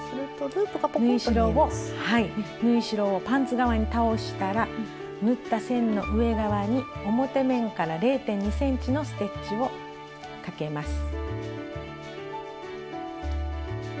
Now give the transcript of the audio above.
縫い代をパンツ側に倒したら縫った線の上側に表面から０．２ｃｍのステッチをかけます。